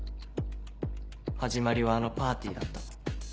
始まりはあのパーティーだった。